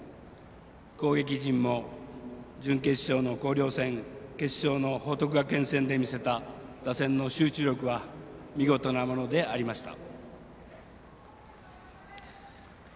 攻撃陣も準決勝の広陵戦決勝の報徳学園戦で見せた打線の集中力は見事なものでありました。